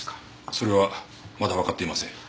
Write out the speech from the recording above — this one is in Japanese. それはまだわかっていません。